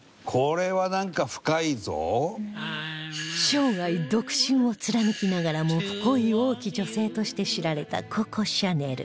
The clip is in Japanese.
生涯独身を貫きながらも恋多き女性として知られたココ・シャネル